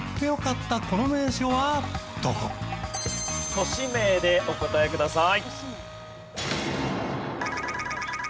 都市名でお答えください。